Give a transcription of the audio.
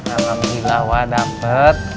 alhamdulillah wak dapet